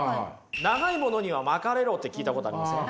「長い物には巻かれろ」って聞いたことありません？